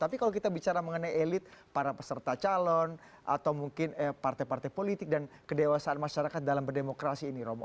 mungkin para elit para peserta calon atau mungkin partai partai politik dan kedewasaan masyarakat dalam berdemokrasi ini romo